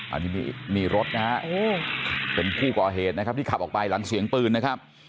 อันนี้มีรถนะฮะเป็นผู้ก่อเหตุนะครับที่ขับออกไปหลังเสียงปืนนะครับ